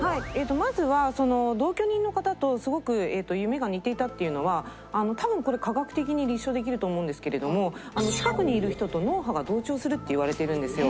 まずはその同居人の方とすごく夢が似ていたっていうのは多分これ科学的に立証できると思うんですけれども近くにいる人と脳波が同調するっていわれてるんですよ。